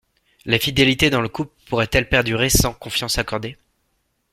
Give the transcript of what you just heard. La fidélité dans le couple pourrait-elle perdurer sans confiance accordée?